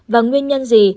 và nguyên nhân gì